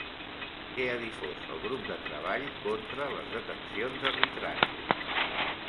Què ha difós el grup de Treball contra les Detencions Arbitràries?